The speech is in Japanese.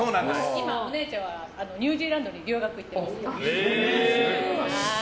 今、お姉ちゃんはニュージーランドに留学行ってます。